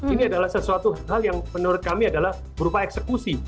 ini adalah sesuatu hal yang menurut kami adalah berupa eksekusi